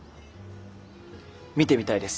見てみたいです